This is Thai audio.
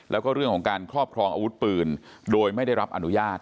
แล้วก็เรื่องของการครอบครองอาวุธปืนโดยไม่ได้รับอนุญาต